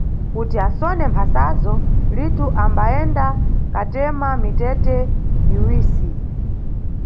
Kuti asone mphasazo, Lito ambayenda katema mitete miwisi.